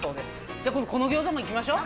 じゃこの餃子もいきましょう。